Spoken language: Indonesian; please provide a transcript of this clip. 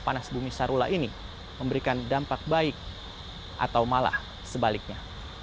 apakah proyek listrik tenaga panas bumi sarula ini memberikan dampak baik atau malah sebaliknya